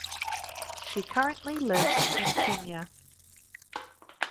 She currently lives in Kenya.